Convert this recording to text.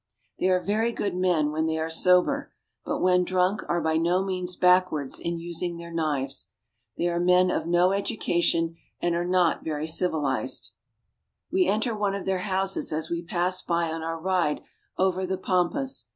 They are very good men when they are sober, but when drunk are by no means backward in using their knives. They are men of no education, and are not very civilized. Gaucho Hut. We enter one of their houses as we pass by on our ride over the pampas.